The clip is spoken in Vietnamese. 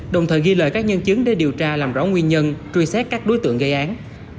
đồng thời ghi lời các nhân chứng để điều tra làm rõ nguyên nhân truy xét các đối tượng gây án